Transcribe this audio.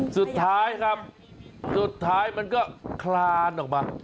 สุดท้ายครับสุดท้ายมันก็คลานออกมา